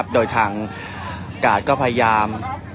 โดยทางกาดก็พยายาม